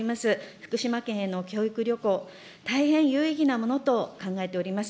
福島県への教育旅行、大変有意義なものと考えております。